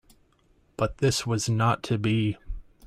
But this was not to be.